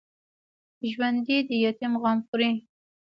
ژوندي د یتیم غم خوري